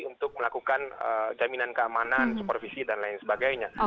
untuk melakukan jaminan keamanan supervisi dan lain sebagainya